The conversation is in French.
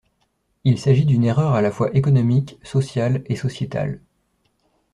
Il s’agit d’une erreur à la fois économique, sociale et sociétale.